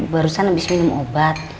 barusan abis minum obat